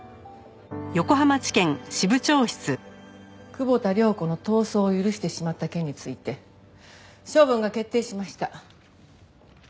久保田涼子の逃走を許してしまった件について処分が決定しました。